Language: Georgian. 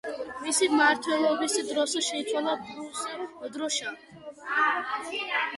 მისი მმართველობის დროს შეიცვალა პერუს დროშა.